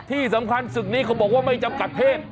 ที่สำคัญศึกนี้เขาบอกว่าไม่จำกัดเพศ